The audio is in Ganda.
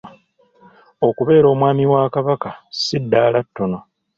Okubeera Omwami wa Kabaka si ddaala ttono.